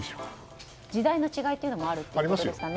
時代の違いというのもあるということですかね。